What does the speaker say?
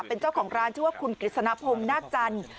เป็นเจ้าของร้านชื่อว่าคุณกฤษณพงศ์นาคจันทร์